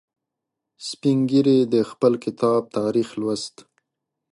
سپین ږیری د خپل کتاب تاریخ لوست.